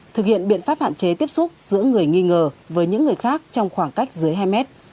thực hiện biện pháp hạn chế tiếp xúc giữa người nghi ngờ với những người khác trong khoảng cách dưới hai mét